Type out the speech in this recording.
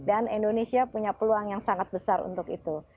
dan indonesia punya peluang yang sangat besar untuk itu